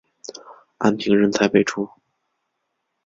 安平人才辈出。